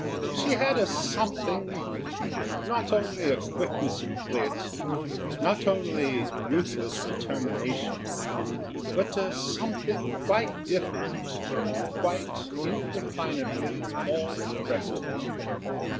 She had a something not only quickness of wit, not only ruthless determination, but a something quite different and quite indefinably more impressive.